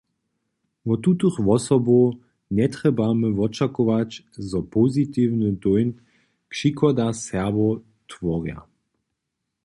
Wot tutych wosobow njetrjebamy wočakować, zo positiwny dóńt přichoda Serbow tworja.